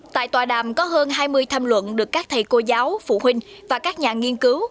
tại tòa đàm có hơn hai mươi tham luận được các thầy cô giáo phụ huynh và các nhà nghiên cứu